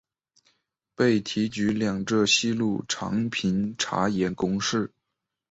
被提举两浙西路常平茶盐公事。